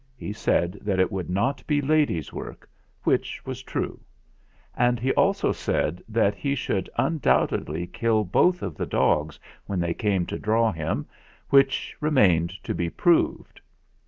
He said that it would not be ladies' work, which was true ; and he also said that he should undoubt edly kill both of the dogs when they came to draw him, which remained to be proved.